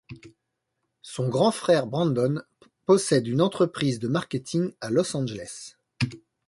Son grand frère Brandon possède une entreprise de marketing à Los Angeles.